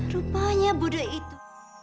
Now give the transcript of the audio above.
rupanya buddha itu